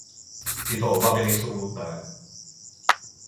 Tyto obavy nejsou nutné.